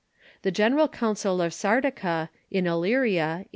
The General Coun cil of Sardica, in Illyria, a.